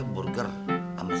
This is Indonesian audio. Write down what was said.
burger sama sepak